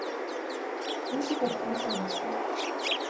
Isso pertence a você?